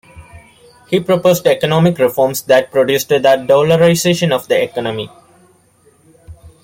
He proposed economic reforms that produced the "dollarization" of the economy.